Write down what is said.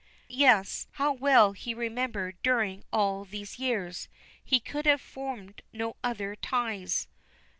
"Yes, how well he remembered during all these years. He could have formed no other ties."